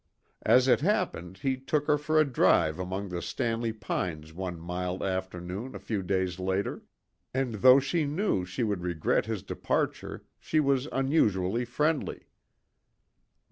As it happened, he took her for a drive among the Stanley pines one mild afternoon a few days later, and though she knew she would regret his departure she was unusually friendly.